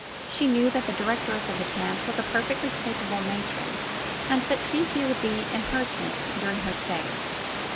She knew that the directress of the camp was a perfectly capable matron and that Fifi would be in her tent during her stay.